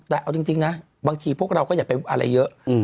แต่เอาจริงนะบางทีพวกเราก็อย่าไปอะไรเยอะ